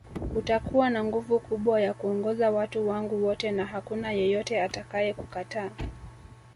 Utakuwa na nguvu kubwa ya kuongoza watu wangu wote na hakuna yeyote atakaye kukataa